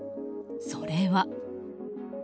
それは。